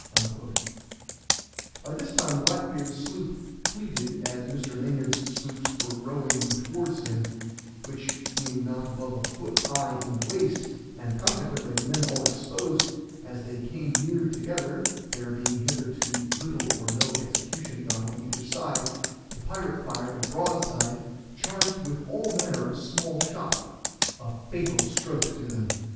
By this time Black beard's sloop fleeted as Mr. Maynard's sloops were rowing towards him, which being not above a foot high in the waist, and consequently the men all exposed, as they came near together (there being hitherto little or no execution done on either side), the pirate fired a broadside charged with all manner of small shot. A fatal stroke to them!